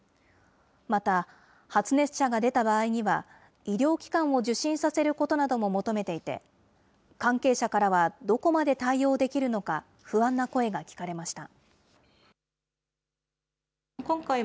また、発熱者が出た場合には、医療機関を受診させることなども求めていて、関係者からはどこまで対応できるのか、不安な声が聞かれました。